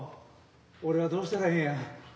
俺はどうしたらええんや？